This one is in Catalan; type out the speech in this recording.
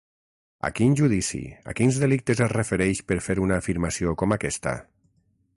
A quin judici, a quins delictes es refereix per fer una afirmació com aquesta?